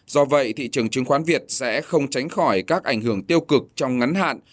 do vậy thị trường chứng khoán việt sẽ không tránh khỏi các ảnh hưởng tiêu cực trong ngắn hạn